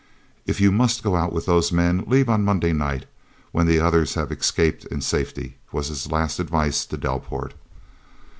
"If you must go out with those men, leave on Monday night, when the others have escaped in safety," was his last advice to Delport.